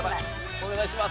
お願いします。